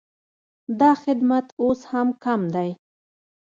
دا خدمت اوس هم کم دی